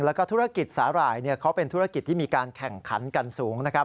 แล้วก็ธุรกิจสาหร่ายเขาเป็นธุรกิจที่มีการแข่งขันกันสูงนะครับ